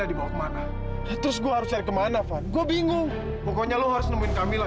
fadil gak tahu pak tapi fadil harus cari kamila